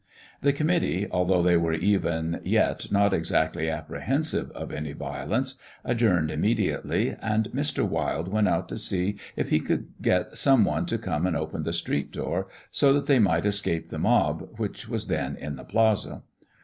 The committee, although they were even yet not exactly apprehensive of any violence, adjourned immediately, and Mr. Wilde went out to see if he could get some one to come and open the street door, so that they might escape the mob, which was then in the plaza.